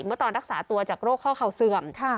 เมื่อตอนรักษาตัวจากโรคข้อเข่าเสื่อม